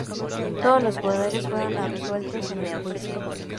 Todos los jugadores fueron absueltos en el juicio.